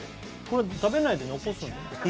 これ食べないで残すんだよ